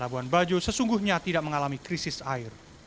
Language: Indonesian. labuan bajo sesungguhnya tidak mengalami krisis air